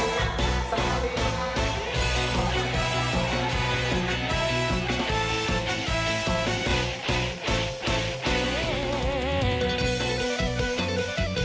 สวัสดีครับ